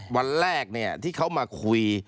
วันแรกเนี่ยที่เขามาคุย